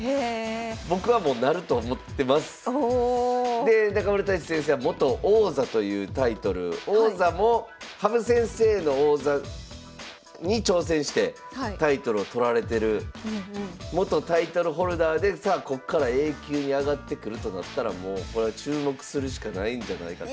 で中村太地先生は元王座というタイトル王座も羽生先生の王座に挑戦してタイトルを取られてる元タイトルホルダーでさあこっからＡ級に上がってくるとなったらもうこれは注目するしかないんじゃないかと。